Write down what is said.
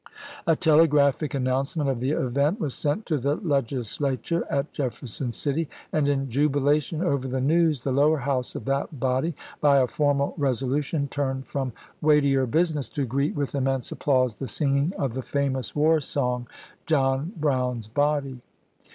A telegi^aphic announcement of the event was sent to the Legislature at Jefferson City ; and in jubila tion over the news the lower house of that body, by a formal resolution, turned from weightier busi ness to greet with immense applause the singing of the famous war song, " John Brown's Body."